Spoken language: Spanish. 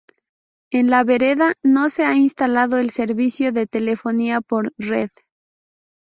En la vereda no se ha instalado el servicio de telefonía por red.